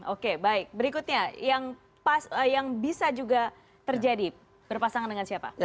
oke baik berikutnya yang bisa juga terjadi berpasangan dengan siapa